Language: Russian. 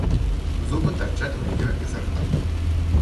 Зубы торчат у нее изо рта.